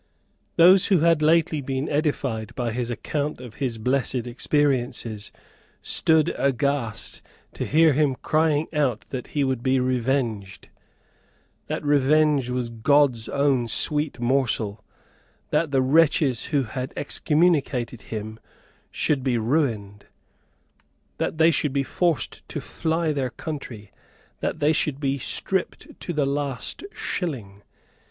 Those who had lately been edified by his account of his blessed experiences stood aghast to hear him crying out that he would be revenged, that revenge was God's own sweet morsel, that the wretches who had excommunicated him should be ruined, that they should be forced to fly their country, that they should be stripped to the last shilling.